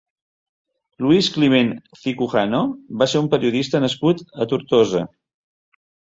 Luis Climent Cicujano va ser un periodista nascut a Tortosa.